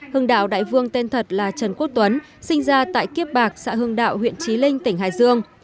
hưng đạo đại vương tên thật là trần quốc tuấn sinh ra tại kiếp bạc xã hương đạo huyện trí linh tỉnh hải dương